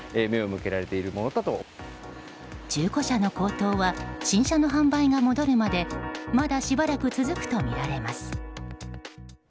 中古車の高騰は新車の販売が戻るまでまだしばらく続くとみられます。